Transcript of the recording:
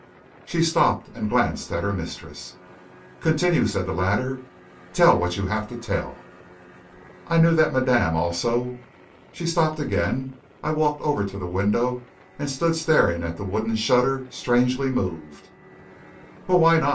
She stopped and glanced at her mistress. "Continue!" said the latter. "Tell what you have to tell." "I knew that madame also...." She stopped again. I walked over to the window and stood staring at the wooden shutter, strangely moved. "Well, why not?"